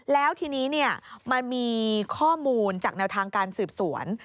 แล้วทีนี้มันมีข้อมูลจากแนวทางการสืบสวน